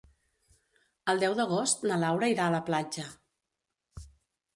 El deu d'agost na Laura irà a la platja.